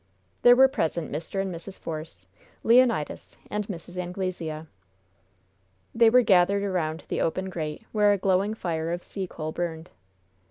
There were present Mr. and Mrs. Force, Leonidas and Mrs. Anglesea. They were gathered around the open grate, where a glowing fire of sea coal burned.